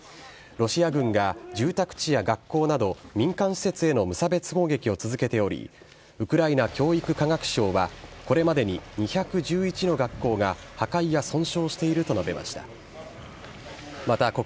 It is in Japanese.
ロシア軍が住宅地や学校など、民間施設への無差別攻撃を続けており、ウクライナ教育科学相は、これまでに２１１の学校が破壊や損傷していると述べました。